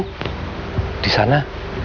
nah itu disana